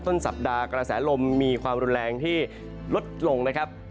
ต้นสัปดาห์กระแสลมมีความรุนแรงที่ลดลงนะครับ